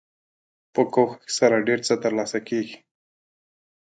په کوښښ سره ډیر څه تر لاسه کیږي.